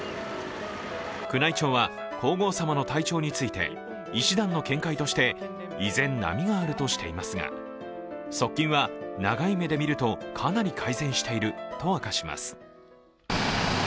宮内庁は皇后さまの体調について医師団の見解として依然、波があるとしていますが、側近は長い目で見るとかなり改善していると明かします。